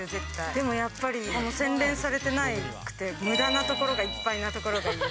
でもやっぱり、洗練されてなくてむだなところがいっぱいなところがいい。